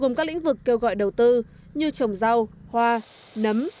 gồm các lĩnh vực kêu gọi đầu tư như trồng rau hoa nấm